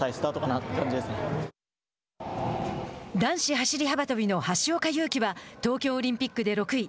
男子走り幅跳びの橋岡優輝は東京オリンピックで６位。